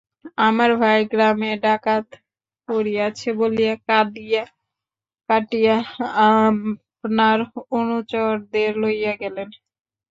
আমার ভাই গ্রামে ডাকাত পড়িয়াছে বলিয়া কাঁদিয়া কাটিয়া আপনার অনুচরদের লইয়া গেলেন।